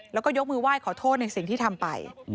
แล้วก็ยกมือไหว้ขอโทษในสิ่งที่ทำไป